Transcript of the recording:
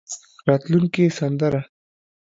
راتلونکې سندره.